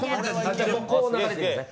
じゃあこう流れていくんですね。